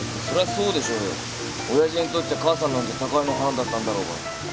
親父にとっちゃ母さんなんて高嶺の花だったんだろうから。